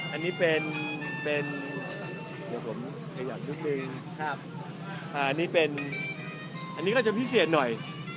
อันนี้เป็นเป็นผมอยากรู้เพลงครับอ่าอันนี้เป็นอันนี้ก็จะพิเศษหน่อย